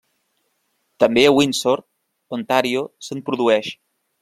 També a Windsor, Ontario se'n produeixen.